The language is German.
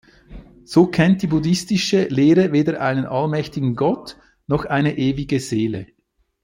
So kennt die buddhistische Lehre weder einen allmächtigen Gott noch eine ewige Seele.